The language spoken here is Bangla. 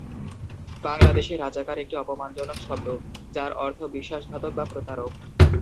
বাংলাদেশে, রাজাকার একটি অপমানজনক শব্দ, যার অর্থ বিশ্বাসঘাতক বা প্রতারক।